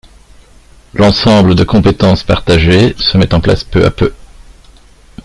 L'ensemble de compétences partagées se met en place peu à peu.